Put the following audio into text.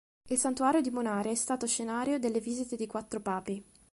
Il santuario di Bonaria è stato scenario delle visite di quattro papi.